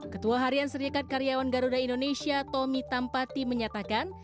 ketua harian serikat karyawan garuda indonesia tommy tampati menyatakan